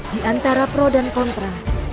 di antara pro dan kontra